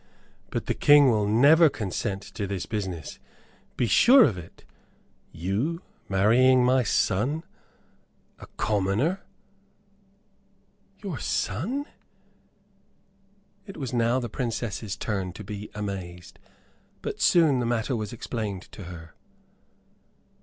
But the King will never consent to this business, be sure of it. You marrying my son a commoner!" "Your son?" It was now the Princess's turn to be amazed. But soon the matter was explained to her.